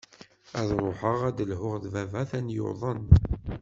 Ad ruḥeɣ ad lhuɣ d baba, ha-t-an yuḍen.